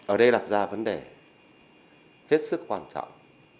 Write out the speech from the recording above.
ở đây đặt ra vấn đề hết sức quan trọng